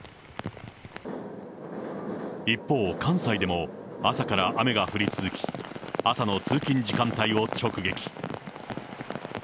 一方、関西でも、朝から雨が降り続き、朝の通勤時間帯を直撃。